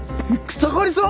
草刈さん！？